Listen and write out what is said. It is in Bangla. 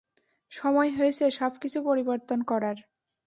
সময় হয়েছে সব কিছু পরিবর্তন করার।